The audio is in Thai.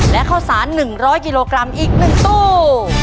และเข้าสารหนึ่งร้อยกิโลกรัมอีก๑ตู้